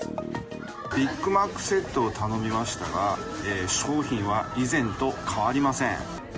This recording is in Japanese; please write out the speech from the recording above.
ビッグマックセットを頼みましたが、商品は以前と変わりません。